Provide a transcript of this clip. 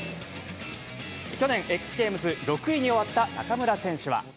去年、Ｘゲームズ６位に終わった中村選手は。